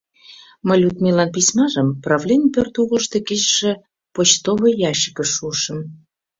Мый Людмилан письмажым правлений пӧрт угылышто кечыше почтовый ящикыш шуышым...